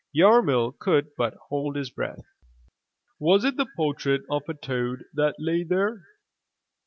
Yarmil could but hold his breath. Was it the portrait of a toad that lay there?